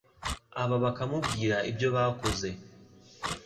Aba bakamubwira ibyo bakoze